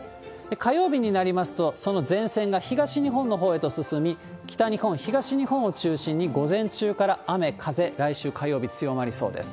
火曜日になりますと、その前線が東日本のほうへと進み、北日本、東日本を中心に午前中から雨、風、来週火曜日強まりそうです。